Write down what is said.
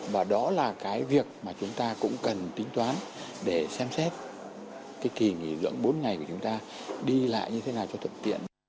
và đó là cái việc mà chúng ta cũng cần tính toán để xem xét cái kỳ nghỉ dưỡng bốn ngày của chúng ta đi lại như thế nào cho thuận tiện